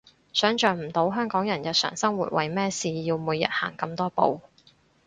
想像唔到香港人日常生活為咩事要每日行咁多步